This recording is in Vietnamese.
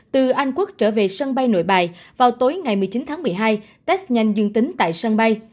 từ anh quốc trở về sân bay nội bài vào tối ngày một mươi chín tháng một mươi hai test nhanh dương tính tại sân bay